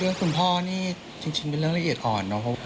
เรื่องคุณพ่อนี่จริงเป็นเรื่องละเอียดอ่อนนะครับ